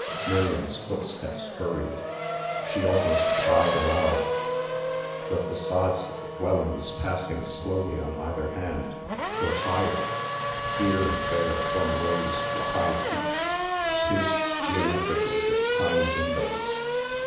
Miriam's footsteps hurried. She almost cried aloud. The façades of the dwellings passing slowly on either hand were higher, here and there one rose to a high peak, pierced geometrically with tiny windows.